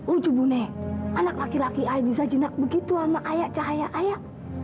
ucubune anak laki laki aik bisa jenak begitu sama ayak cahaya ayak